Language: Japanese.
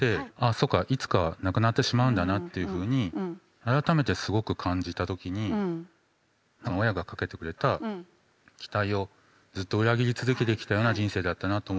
そうかいつかは亡くなってしまうんだなというふうに改めてすごく感じた時に親がかけてくれた期待をずっと裏切り続けてきたような人生だったなと思って。